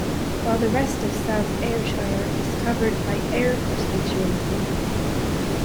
While the rest of the South Ayrshire is covered by Ayr constituency.